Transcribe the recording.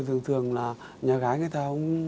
thường thường là nhà gái người ta